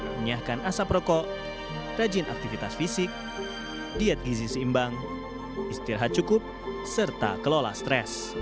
menyiapkan asap rokok rajin aktivitas fisik diet gizi seimbang istirahat cukup serta kelola stres